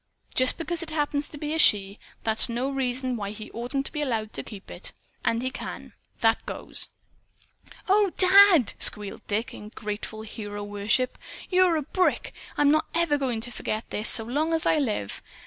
Just because it happens to be a she, that's no reason why he oughtn't to be allowed to keep it. And he can. That goes." "Oh, Dad!" squealed Dick in grateful heroworship. "You're a brick! I'm not ever going to forget this, so long as I live.